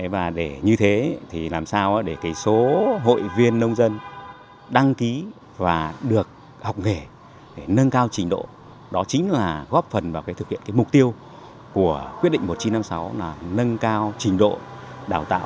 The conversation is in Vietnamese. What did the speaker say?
và để như thế thì làm sao để số hội viên nông dân đăng ký và được học nghề để nâng cao trình độ đó chính là góp phần vào thực hiện mục tiêu của quyết định một nghìn chín trăm năm mươi sáu là nâng cao trình độ đào tạo